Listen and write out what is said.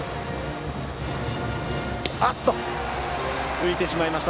浮いてしまいました。